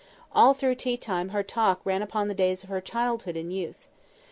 All through tea time her talk ran upon the days of her childhood and youth.